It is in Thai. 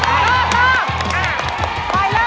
ขายืนยืน